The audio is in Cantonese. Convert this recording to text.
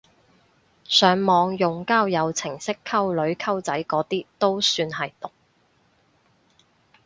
上網用交友程式溝女溝仔嗰啲都算係毒！